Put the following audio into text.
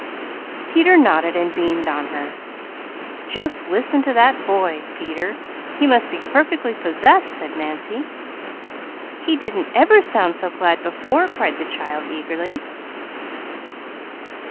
Peter nodded, beaming on her. "Just listen to that boy, Peter, he must be perfectly possessed!" said Nancy. "He didn't ever sound so glad before!" cried the child eagerly.